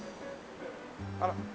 あら。